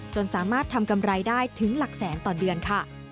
จนสามารถทำกำไรได้ถึงหลักแสนต่อเดือนค่ะ